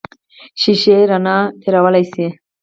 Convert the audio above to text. شیشې رڼا تېرولی شي.